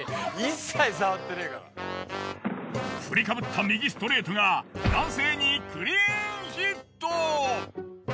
振りかぶった右ストレートが男性にクリーンヒット！